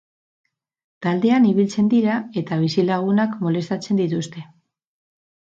Taldean ibiltzen dira eta bizilagunak molestatzen dituzte.